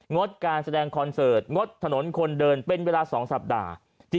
ดการแสดงคอนเสิร์ตงดถนนคนเดินเป็นเวลา๒สัปดาห์